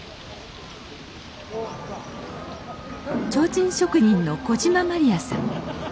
提灯職人の小島まりやさん。